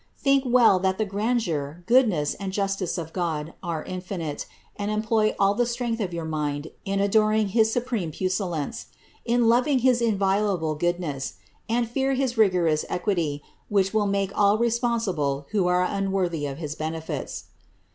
Think well that the grandeur, goodness, and justice of God are infinite, and employ ail the suength of your mind in adoring his supreme puis sance, in loving his inviolable goodness ; and fear his rigorous equity, which will make all responsible who are unworthy of his benefits.